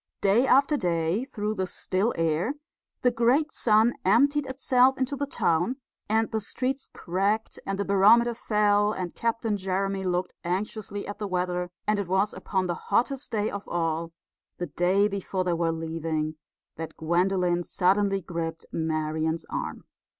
Day after day, through the still air, the great sun emptied itself into the town; and the streets cracked, and the barometer fell, and Captain Jeremy looked anxiously at the weather; and it was upon the hottest day of all the day before they were leaving that Gwendolen suddenly gripped Marian's arm.